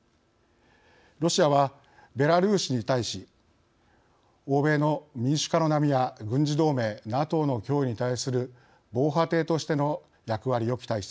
ロシアはベラルーシに対し欧米の民主化の波や軍事同盟＝ＮＡＴＯの脅威に対する防波堤としての役割を期待しているのです。